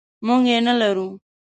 موږ یې نلرو.